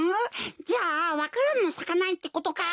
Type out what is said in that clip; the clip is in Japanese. じゃあわか蘭もさかないってことか？